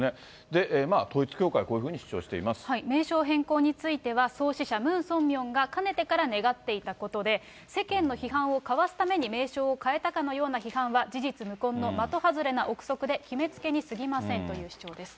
で、まあ、統一教会、名称変更については、創始者、ムン・ソンミョンがかねてから願っていたことで、世間の批判をかわすために名称を変えたかのような批判は事実無根の的外れな臆測で、決めつけにすぎませんという主張です。